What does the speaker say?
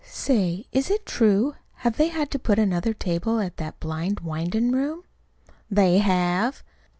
Say, is it true? Have they had to put in another table at that blind windin' room?" "They have."